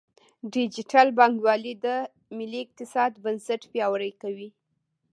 ډیجیټل بانکوالي د ملي اقتصاد بنسټ پیاوړی کوي.